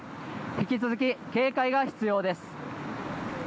引き続き、警戒が必要です。